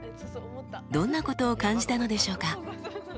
どんなことを感じたのでしょうか？